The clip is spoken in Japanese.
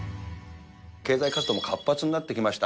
経済活動も活発になってきました。